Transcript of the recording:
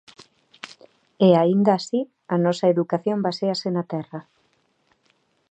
E aínda así, a nosa educación baséase na terra.